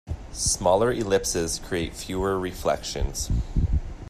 Smaller ellipses create fewer reflections.